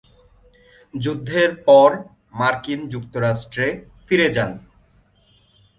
যুদ্ধের পর মার্কিন যুক্তরাষ্ট্রে ফিরে যান।